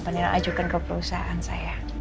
pernah ajukan ke perusahaan saya